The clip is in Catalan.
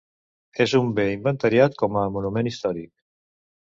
És un bé inventariat com a Monument històric.